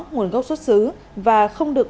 nguồn gốc xuất xứ và không được